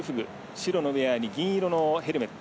白のウェアに銀色のヘルメット。